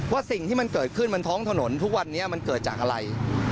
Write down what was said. สิ่งที่มันเกิดขึ้นบนท้องถนนทุกวันนี้มันเกิดจากอะไร